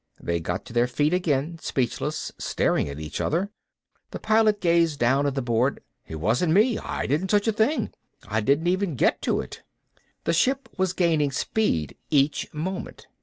They got to their feet again, speechless, staring at each other. The Pilot gazed down at the board. "It wasn't me! I didn't touch a thing. I didn't even get to it." The ship was gaining speed each moment.